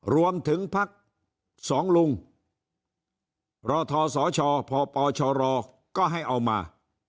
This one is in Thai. รวมถึงภักษ์สองลุงพศพศก็ให้เอามา